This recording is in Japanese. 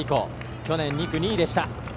去年、区間２位でした。